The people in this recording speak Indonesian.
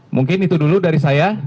mungkin itu dulu dari saya